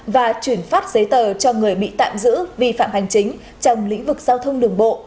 và chuyển phát giấy tờ cho người bị tạm giữ vi phạm hành chính trong lĩnh vực giao thông đường bộ